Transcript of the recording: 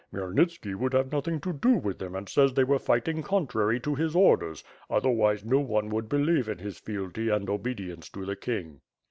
'* "Khmyelnitski would have nothing to do with them and says they were fighting contrary to his orders; otherwise no one would believe in his fealty and obedience to the king."